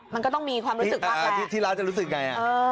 มันก็ต้องมีความรู้สึกว่าที่ร้านจะรู้สึกไง